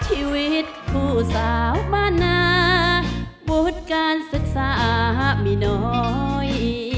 ชีวิตผู้สาวบ้านนาวุฒิการศึกษามีน้อย